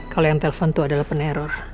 kalau yang telepon tuh adalah peneror